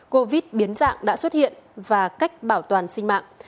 covid biến dạng đã xuất hiện và cách bảo toàn sinh mạng